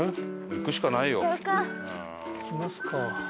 行きますか。